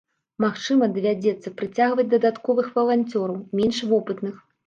Магчыма, давядзецца прыцягваць дадатковых валанцёраў, менш вопытных.